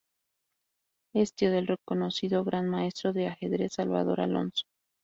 Es tío del reconocido Gran Maestro de ajedrez Salvador Alonso.